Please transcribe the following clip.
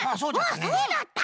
あっそうだった！